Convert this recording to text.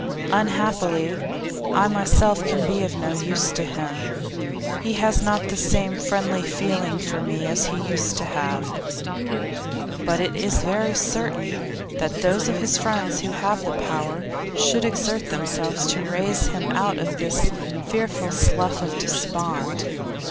'Unhappily, I myself can be of no use to him; he has not the same friendly feeling for me as he used to have. But it is very certain that those of his friends who have the power should exert themselves to raise him out of this fearful slough of despond.